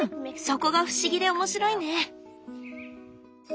そこが不思議で面白いね！